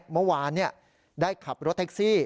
เมื่อวานได้ขับรถแท็กซี่